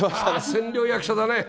千両役者だね。